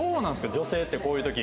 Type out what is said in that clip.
女性ってこういう時。